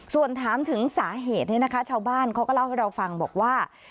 ส่วนถามถึงสาเหตุนี้นะคะชาวบ้านเขาก็เล่าให้เราฟังบอกว่า